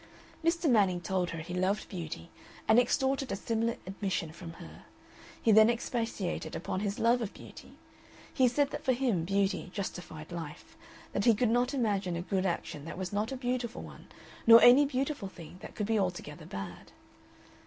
Mr. Manning told her he loved beauty, and extorted a similar admission from her; he then expatiated upon his own love of beauty. He said that for him beauty justified life, that he could not imagine a good action that was not a beautiful one nor any beautiful thing that could be altogether bad.